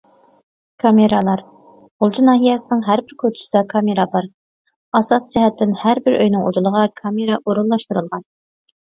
كامېرالار: غۇلجا ناھىيەسىنىڭ ھەر بىر كوچىسىدا كامېرا بار، ئاساسىي جەھەتتىن ھەربىر ئۆينىڭ ئۇدۇلىغا كامېرا ئورۇنلاشتۇرۇلغان.